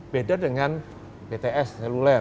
beda dengan bts seluler